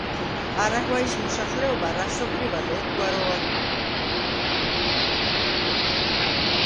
პარაგვაის მოსახლეობა რასობრივად ერთგვაროვანია.